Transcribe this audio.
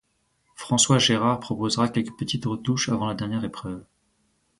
François Gérard proposera quelques petites retouches avant la dernière épreuve.